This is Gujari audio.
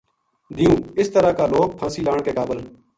دیوں اس طرح کا لوک پھانسی لان کے قابل